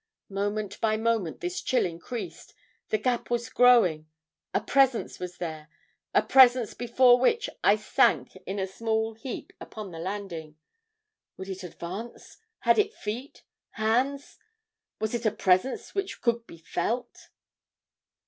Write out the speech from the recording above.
Moment by moment this chill increased; the gap was growing a presence was there a presence before which I sank in a small heap upon the landing. Would it advance? Had it feet hands? Was it a presence which could be felt?